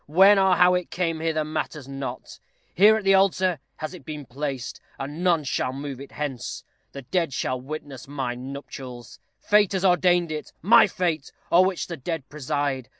When or how it came hither matters not. Here, at the altar, has it been placed, and none shall move it hence. The dead shall witness my nuptials. Fate has ordained it my fate! o'er which the dead preside.